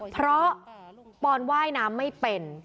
เพราะปอนว่ายน้ำไม่เป็น